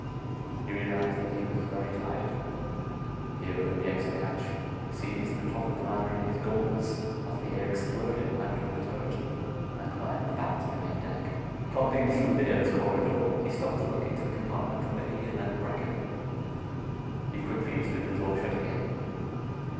He realized that he was very tired. He opened the exit hatch, seized the top of the ladder in his gauntlets as the air exploded out of the turret, and climbed back to the main deck. Clumping forward through the airless corridor, he stopped to look into the compartment where he had left Brecken. He quickly slid the door shut again.